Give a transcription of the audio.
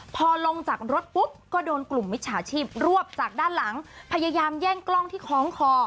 พอลงจากรถปุ๊บก็โดนกลุ่มมิจฉาชีพรวบจากด้านหลังพยายามแย่งกล้องที่คล้องคอ